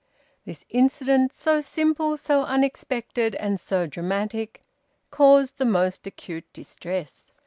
This incident, so simple, so unexpected, and so dramatic, caused the most acute distress.